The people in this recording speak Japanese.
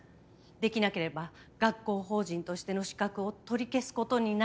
できなければ学校法人としての資格を取り消す事になりかねないと。